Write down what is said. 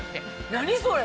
何それ！